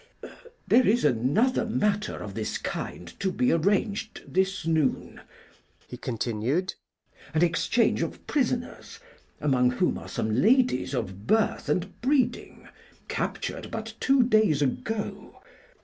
There is another matter of this kind to be arranged this noon," he continued: "an exchange of prisoners, among whom are some ladies of birth and breeding, captured but two days ago.